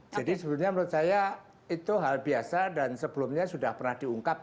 jadi sebetulnya menurut saya itu hal biasa dan sebelumnya sudah pernah diungkap